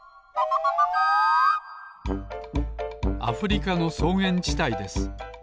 アフリカのそうげんちたいです。